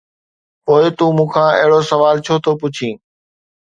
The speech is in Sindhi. ”پوءِ تون مون کان اهڙو سوال ڇو ٿو پڇين؟